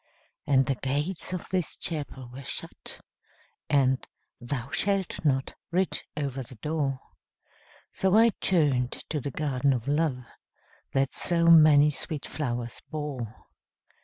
And the gates of this Chapel were shut, And 'Thou shalt not' writ over the door; So I turned to the Garden of Love That so many sweet flowers bore.